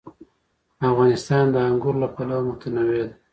افغانستان د انګور له پلوه متنوع دی.